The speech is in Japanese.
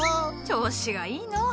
調子がいいのう。